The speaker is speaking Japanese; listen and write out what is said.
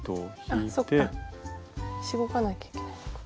あっそっかしごかなきゃいけないのか。